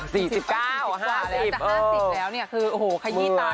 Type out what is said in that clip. สี่สิบเก้าห้าสิบห้าสิบแล้วเนี้ยคือโอ้โหขยี้ตา